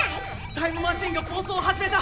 タイムマシンが暴走を始めた！